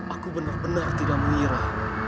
aku benar benar tidak mengira